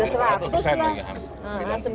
sudah seratus ya